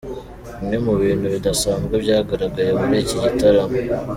Bimwe mu bintu bidasanzwe byagaragaye muri iki gitaramo:.